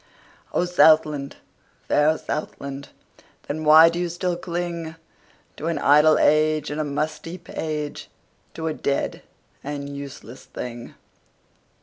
O Southland, fair Southland! Then why do you still clingTo an idle age and a musty page, To a dead and useless thing?